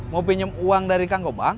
mau pinjem uang dari kang gobang